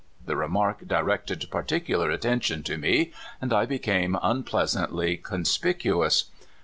The remark directed particular attention to me, and I became unpleasantly conspicuous.